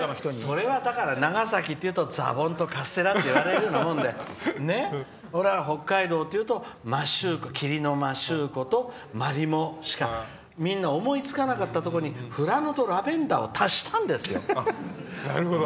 それは長崎だというとざぼんとカステラっていわれるようなもので北海道っていうと霧の摩周湖と、まりもしか思いつかなかったところに富良野とラベンダーを足したんですよ。